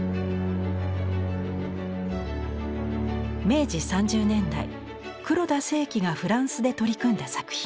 明治３０年代黒田清輝がフランスで取り組んだ作品。